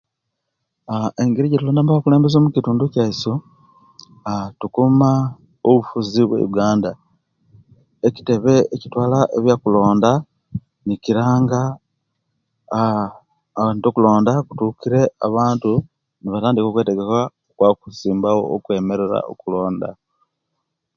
Aaa engeri ejetulonda mu abakulembeze omukitundu kiyaisu aa tukuma obufuzi mu Uganda ekiwa tebe ekitwala ebyo kulonda nikiranga nti ebyo kulonda bitukire abantu nibatandika okwa kwesimbawo okutandika okulonda